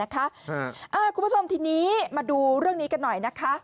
คุณผู้ชมทีนี้มาดูเรื่องนี้กันหน่อยนะคะ